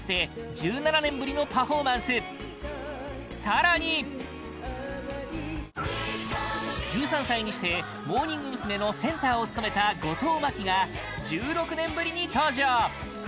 １７年ぶりのパフォーマンス更に１３歳にしてモーニング娘。のセンターを務めた後藤真希が１６年ぶりに登場！